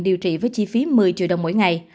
điều trị với chi phí một mươi triệu đồng mỗi ngày